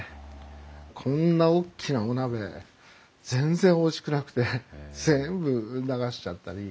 こんな大きなお鍋全然おいしくなくて全部流しちゃったり。